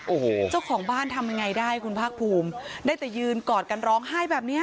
โอ้โหเจ้าของบ้านทำยังไงได้คุณภาคภูมิได้แต่ยืนกอดกันร้องไห้แบบเนี้ย